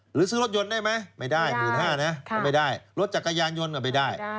หรือซื้อรถยนต์ได้ไหมไม่ได้๑๕๐๐๐บาทรถจักรยานยนต์ก็ไม่ได้